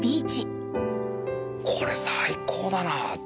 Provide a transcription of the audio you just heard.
これ最高だな。